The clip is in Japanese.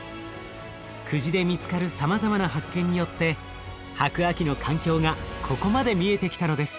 久慈で見つかるさまざまな発見によって白亜紀の環境がここまで見えてきたのです。